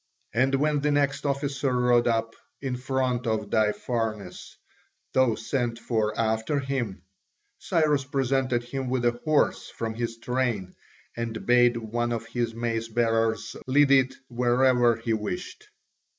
And when the next officer rode up, in front of Daïpharnes though sent for after him, Cyrus presented him with a horse from his train and bade one of the mace bearers lead it wherever he wished.